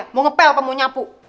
lupa ya mau ngepel apa mau nyapu